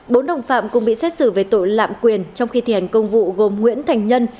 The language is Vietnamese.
bốn đồng phạm cũng bị xét xử về tội lạm quyền trong khi thi hành công vụ gồm nguyễn thành nhân